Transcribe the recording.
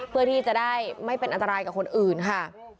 เพื่อที่จะได้ไม่เป็นอันตรายกับคนอื่นค่ะ